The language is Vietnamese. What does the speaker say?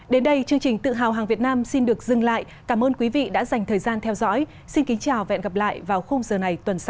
đến đây chương trình tự hào hàng việt nam xin được dừng lại cảm ơn quý vị đã dành thời gian theo dõi xin kính chào và hẹn gặp lại vào khung giờ này tuần sau